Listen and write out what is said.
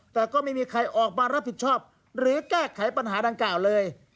แต่ก็ไม่มีใครออกมารับผิดชอบหรือแก้ไขปัญหาดังกล่าวเลย